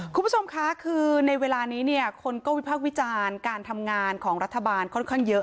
คุณผู้ชมคะคือในเวลานี้เนี่ยคนก็วิพากษ์วิจารณ์การทำงานของรัฐบาลค่อนข้างเยอะ